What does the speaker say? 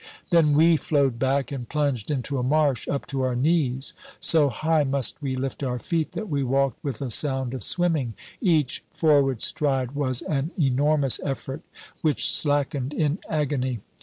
Then we flowed back, and plunged into a marsh up to our knees. So high must we lift our feet that we walked with a sound of swimming. Each forward stride was an enormous effort which slackened in agony.